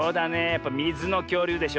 やっぱみずのきょうりゅうでしょ。